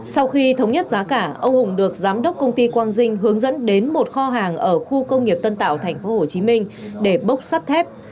sau khi thống nhất giá cả ông hùng được giám đốc công ty quang dinh hướng dẫn đến một kho hàng ở khu công nghiệp tân tạo tp hcm để bốc sắt thép